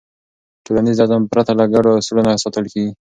ټولنیز نظم پرته له ګډو اصولو نه ساتل کېږي.